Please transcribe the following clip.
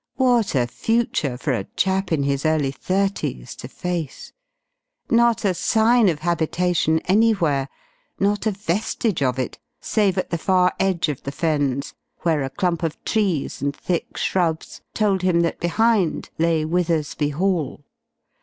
What a future for a chap in his early thirties to face! Not a sign of habitation anywhere, not a vestige of it, save at the far edge of the Fens where a clump of trees and thick shrubs told him that behind lay Withersby Hall.